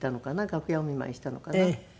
楽屋お見舞いしたのかな。